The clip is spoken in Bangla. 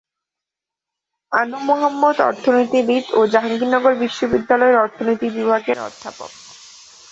আনু মুহাম্মদ অর্থনীতিবিদ ও জাহাঙ্গীরনগর বিশ্ববিদ্যালয়ের অর্থনীতি বিভাগের অধ্যাপক